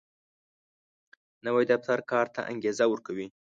نوی دفتر کار ته انګېزه ورکوي